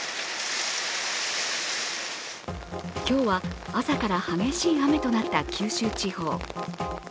今日は朝から激しい雨となった九州地方。